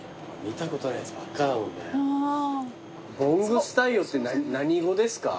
ブォングスタイオって何語ですか？